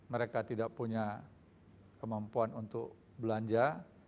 mereka tidak punya kemampuan untuk belanja